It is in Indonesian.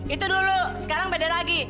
itu dulu sekarang beda lagi